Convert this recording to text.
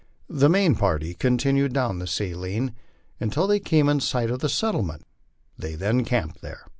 The main party continued down the Saline until they came in sight of the settlement; they then camped there.